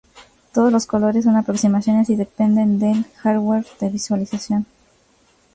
Todos los colores son aproximaciones y dependen del hardware de visualización.